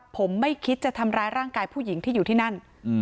ผมไม่คิดจะทำร้ายร่างกายผู้หญิงที่อยู่ที่นั่น